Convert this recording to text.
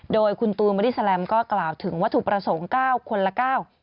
โดยคุณตูนบริสลัมก็กล่าวถึงว่าถูกประสงค์๙คนละ๙